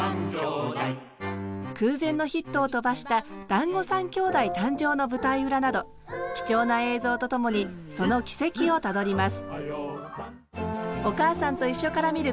空前のヒットを飛ばした「だんご３兄弟」誕生の舞台裏など貴重な映像とともにその軌跡をたどります。